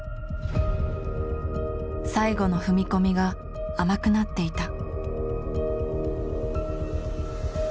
最後の踏み込みが甘くなっていた。